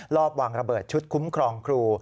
รอบวางระเบิดชุดคุ้มครองครู